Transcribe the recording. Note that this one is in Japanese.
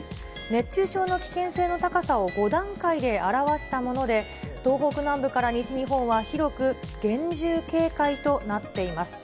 熱中症の危険性の高さを５段階で表したもので、東北南部から西日本は広く厳重警戒となっています。